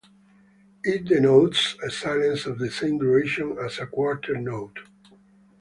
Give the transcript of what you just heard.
It denotes a silence of the same duration as a quarter note.